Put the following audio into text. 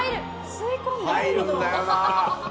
吸い込んでる。